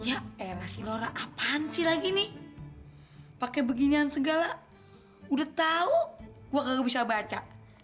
ya enak sih lora apaan sih lagi nih pake beginian segala udah tau gua kagak bisa baca